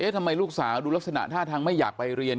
ทำไมลูกสาวดูลักษณะท่าทางไม่อยากไปเรียน